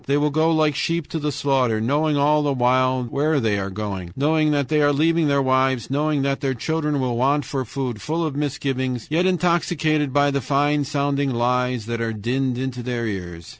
They will go like sheep to the slaughter, knowing all the while where they are going, knowing that they are leaving their wives, knowing that their children will want for food, full of misgivings, yet intoxicated by the fine sounding lies that are dinned into their ears.